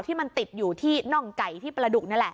ที่มันติดอยู่ที่น่องไก่ที่ประดุกนั่นแหละ